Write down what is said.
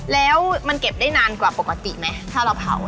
แล้วมันเก็บได้นานกว่าปกติไหมถ้าเราเผา